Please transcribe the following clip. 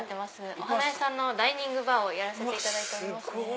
お花屋さんのダイニングバーをやらせていただいております。